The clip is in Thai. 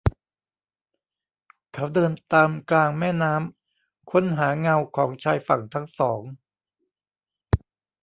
เขาเดินตามกลางแม่น้ำ ค้นหาเงาของชายฝั่งทั้งสอง